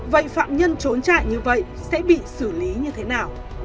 vậy phạm nhân trốn trại như vậy sẽ bị xử lý như thế nào